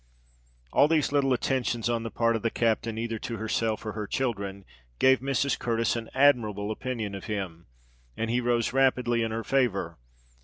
All these little attentions on the part of the captain either to herself or her children, gave Mrs. Curtis an admirable opinion of him; and he rose rapidly in her favour.